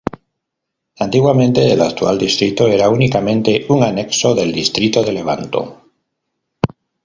Antiguamente, el actual distrito era únicamente un anexo del distrito de Levanto.